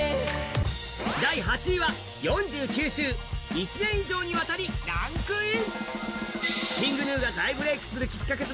１年以上にわたりランクイン。